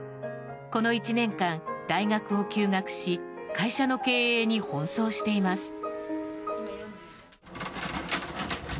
この１年間、大学を休学し会社の経営に奔走しています。